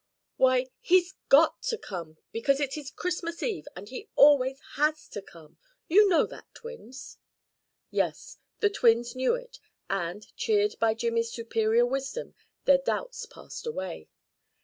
"Why, he's got to come because it is Christmas Eve, and he always has come. You know that, twins." Yes, the twins knew it and, cheered by Jimmy's superior wisdom, their doubts passed away.